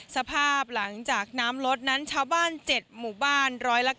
สภาพหลังจากน้ำลดนั้นชาวบ้าน๗หมู่บ้าน๑๙